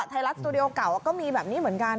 ไทยรัฐสตูดิโอเก่าก็มีแบบนี้เหมือนกัน